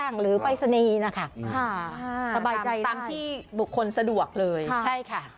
บ้างหรือไปสนีนะคะค่ะสบายใจได้ตามที่บุคคลสะดวกเลยใช่ค่ะ